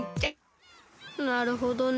なるほどね。